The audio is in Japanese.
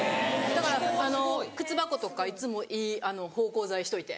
だから靴箱とかいつもいい芳香剤しといて。